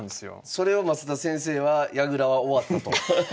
それを増田先生は矢倉は終わったと。